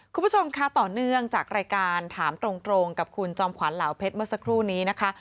คุณผู้ชมค่ะต่อเนื่องจากรายการถามตรงกับคุณจอมขวานเหล่าเพชรเมื่อสักครู่นี้นะคะ